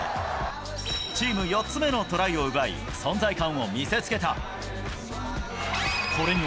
チーム４つ目のトライを奪い、存在感を見せつけた。